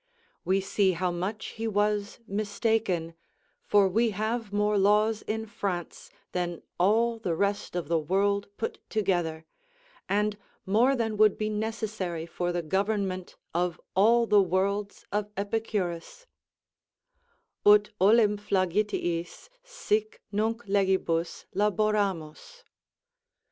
We see how much he was mistaken, for we have more laws in France than all the rest of the world put together, and more than would be necessary for the government of all the worlds of Epicurus: "Ut olim flagitiis, sic nunc legibus, laboramus."